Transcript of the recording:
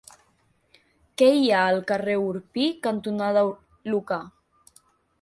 Què hi ha al carrer Orpí cantonada Lucà?